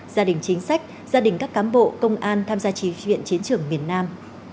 gia đình chính sách gia đình các cám bộ công an tham gia tri viện chiến trường miền nam